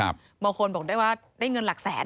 บางคนบอกได้ว่าได้เงินหลักแสน